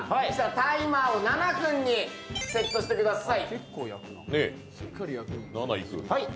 タイマーを７分にセットしてください。